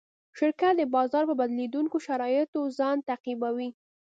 شرکت د بازار په بدلېدونکو شرایطو ځان تطبیقوي.